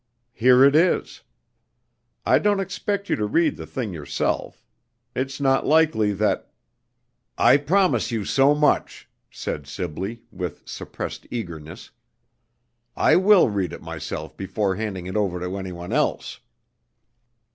Here it is. I don't expect you to read the thing yourself. It's not likely that " "I promise you so much," said Sibley, with suppressed eagerness. "I will read it myself before handing it over to any one else."